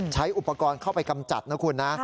ใช้อุปกรณ์เข้าไปกำจัดนะคุณนะ